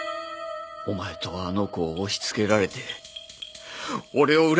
お前とあの子を押しつけられて俺を恨んでたんだ。